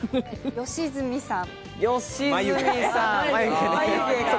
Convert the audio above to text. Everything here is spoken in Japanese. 良純さん。